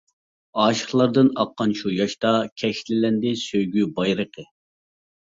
ئاشىقلاردىن ئاققان شۇ ياشتا، كەشتىلەندى سۆيگۈ بايرىقى.